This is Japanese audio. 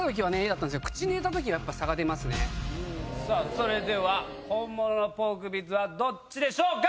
それでは本物のポークビッツはどっちでしょうか？